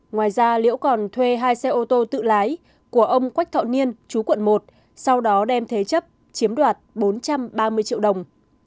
ngoài ra liễu còn thuê hai xe ô tô tự lái của ông quách thọ niên chú quận một sau đó đem thế chấp chiếm đoạt bốn trăm ba mươi triệu đồng